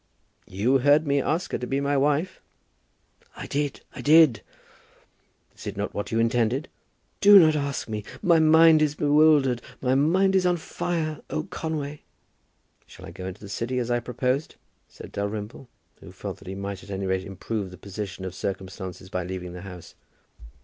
"You heard me ask her to be my wife?" "I did. I did!" "Is it not what you intended?" "Do not ask me. My mind is bewildered. My brain is on fire! Oh, Conway!" "Shall I go into the City as I proposed?" said Dalrymple, who felt that he might at any rate improve the position of circumstances by leaving the house.